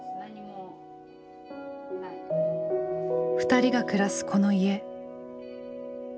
２人が暮らすこの家。